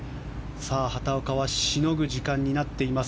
畑岡はしのぐ時間になっています。